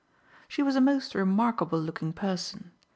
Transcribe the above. She was a most remarkable looking person.